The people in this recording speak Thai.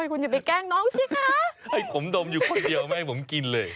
อยู่คนเดียวไหมให้ผมกินเลย